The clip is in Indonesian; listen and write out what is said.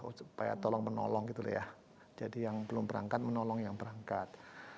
tabaruk lah supaya tolong penolong gitu ya jadi yang belum berangkat menolong yang berangkat